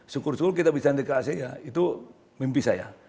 sungkul sungkul kita bisa ke asean itu mimpi saya